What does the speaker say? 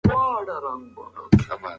موږ باید په خپل ټولنیز چاپیریال پوه سو.